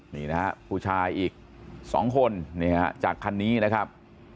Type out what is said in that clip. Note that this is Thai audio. นี่นะฮะผู้ชายอีก๒คนจากคันนี้นะครับ